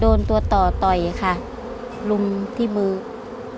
โดนตัวต่อต่อยค่ะลุมที่มือ